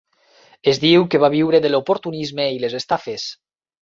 Es diu que va viure de l'oportunisme i les estafes.